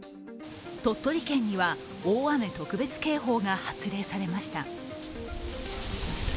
鳥取県には大雨特別警報が発令されました。